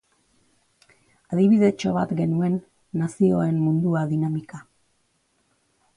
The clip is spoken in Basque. Adibidetxo bat genuen, Nazioen Mundua dinamika.